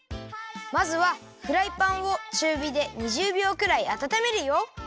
まずはフライパンをちゅうびで２０びょうくらいあたためるよ。